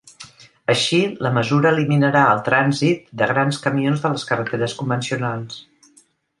Així, la mesura eliminarà el trànsit de grans camions de les carreteres convencionals.